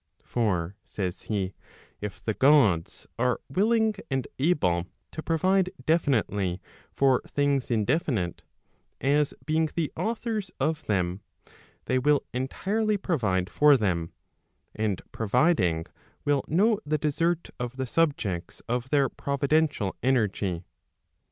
For, says he, if the Gods are willing and able to provide definitely for things indefinite, as being the authors of them, they will entirely provide for them, and providing will know the desert of the subjects of their providential energy.